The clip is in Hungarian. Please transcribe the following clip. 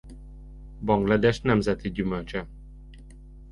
Banglades nemzeti gyümölcse.